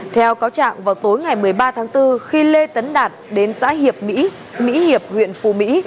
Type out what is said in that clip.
theo cáo trạng vào tối ngày một mươi ba tháng bốn khi lê tấn đạt đến xã hiệp mỹ mỹ hiệp huyện phù mỹ